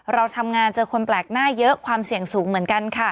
เราทำงานเจอคนแปลกหน้าเยอะความเสี่ยงสูงเหมือนกันค่ะ